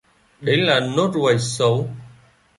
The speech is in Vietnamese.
đấy là nốt ruồi xấu